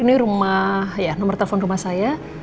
ini rumah ya nomor telepon rumah saya